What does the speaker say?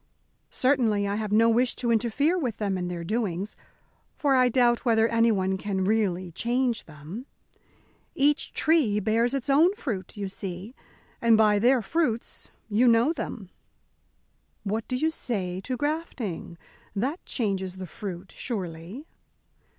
Certainly I have no wish to interfere with them in their doings, for I doubt whether anyone can really change them. Each tree bears its own fruit, you see, and by their fruits you know them." "What do you say to grafting? That changes the fruit, surely?"